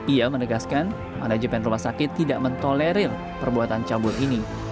ia menegaskan manajemen rumah sakit tidak mentolerir perbuatan cabut ini